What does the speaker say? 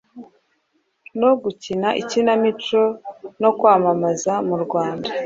mu gukina ikinamico no kwamamaza mu Rwanda.